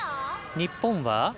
日本は？